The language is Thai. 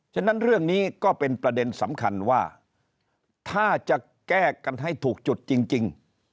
ฉะนั้นเรื่องนี้ก็เป็นประเด็นสำคัญว่าถ้าจะแก้กันให้ถูกจุดจริง